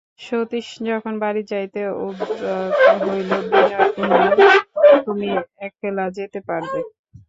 সতীশ যখন বাড়ি যাইতে উদ্যত হইল বিনয় কহিল, তুমি একলা যেতে পারবে?